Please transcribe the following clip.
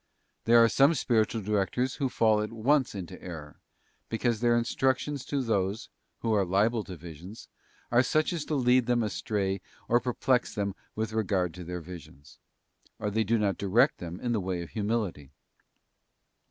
There are some spiritual directors who fall at once into error, because their instruc tions to those, who are liable to visions, are such as to lead them astray or perplex them with regard to their visions; or they do not direct them in the way of humility.